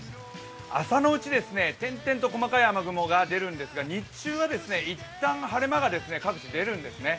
朝のうち、転々と細かい雨雲が出るんですけど日中は一旦、晴れ間が各地出るんですね。